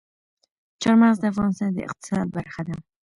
چار مغز د افغانستان د اقتصاد برخه ده.